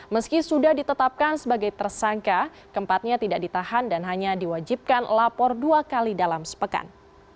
meski sudah ditetapkan sebagai tersangka keempatnya tidak ditahan dan hanya diwajibkan lapor dua kali dalam sepekan